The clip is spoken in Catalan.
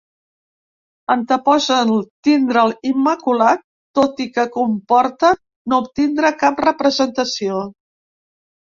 Anteposen tindre’l immaculat tot i que comporte no obtindre cap representació.